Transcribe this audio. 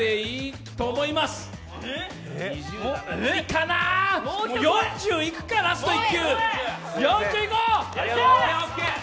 無理かなー、４０いくか、ラスト１球。